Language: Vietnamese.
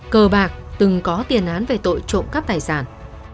cờ bạc từng có tiền án về tội trộm cắp tài sản